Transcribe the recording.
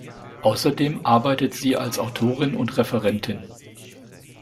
Außerdem arbeitet sie als Autorin und Referentin.